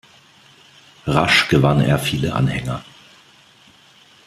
Rasch gewann er viele Anhänger.